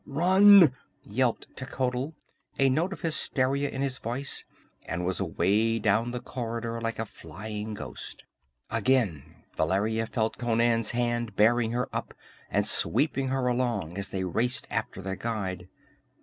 "Run!" yelped Techotl, a note of hysteria in his voice, and was away down the corridor like a flying ghost. Again Valeria felt Conan's hand bearing her up and sweeping her along as they raced after their guide.